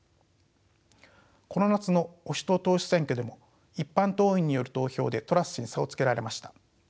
この夏の保守党党首選挙でも一般党員による投票でトラス氏に差をつけられました。